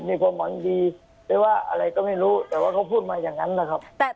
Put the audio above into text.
มีความหวังดีหรือว่าอะไรก็ไม่รู้แต่ว่าเขาพูดมาอย่างนั้นนะครับ